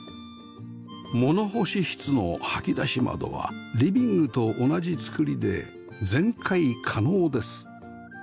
物干し室の掃き出し窓はリビングと同じ造りで全開可能です